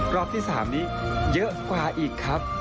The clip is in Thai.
รอบที่๓นี้เยอะกว่าอีกครับ